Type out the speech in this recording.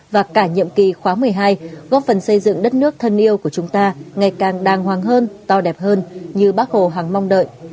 và cả nhiệm kỳ khóa một mươi hai góp phần xây dựng đất nước thân yêu của chúng ta ngày càng đàng hoàng hơn to đẹp hơn như bác hồ hằng mong đợi